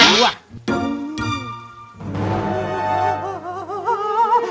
mau ngeget kemana lu